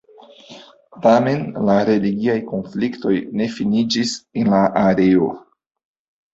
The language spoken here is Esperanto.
Tamen la religiaj konfliktoj ne finiĝis en la areo.